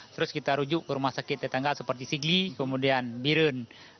terus kita rujuk ke rumah sakit tetangga seperti sigli kemudian birun